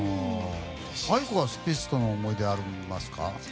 ａｉｋｏはスピッツとの思い出ありますか？